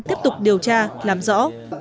tiếp tục điều tra làm rõ